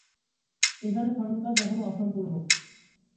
এখানে খননকাজ এখনও অসম্পূর্ণ।